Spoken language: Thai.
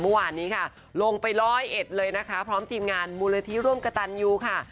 เมื่อวานนี้ค่ะลงไปร้อยเอ็ดเลยนะคะพร้อมทีมงานมูลนิธิร่วมกระตันยูค่ะ